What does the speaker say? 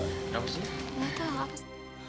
ini mau tunjukin sesuatu